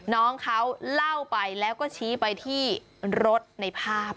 น้องเขาเล่าไปแล้วก็ชี้ไปที่รถในภาพ